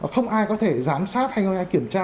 không ai có thể giám sát hay ai kiểm tra